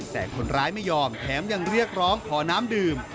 แต่คนร้ายไม่ยอมแถมยังเรียกร้องขอน้ำดื่ม